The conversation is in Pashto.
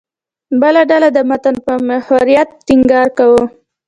بله ډله د متن پر محوریت ټینګار کاوه.